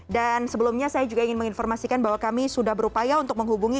dan sebelumnya saya juga ingin menginformasikan bahwa kami sudah berupaya untuk menghubungi